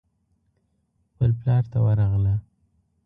خپل پلار ته ورغله.